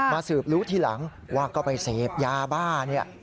มาสืบรู้ทีหลังว่าก็ไปเสพยาบ้าง